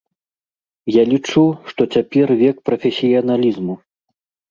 Я лічу, што цяпер век прафесіяналізму.